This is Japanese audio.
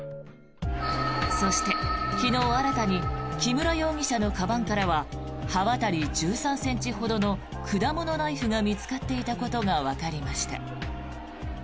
そして、昨日新たに木村容疑者のかばんからは刃渡り１３ｃｍほどの果物ナイフが見つかっていたことがわかりました。